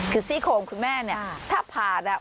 คือซี่โขมคุณแม่เนี่ยถ้าผ่าตัด